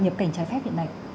nhập cảnh trái phép hiện nay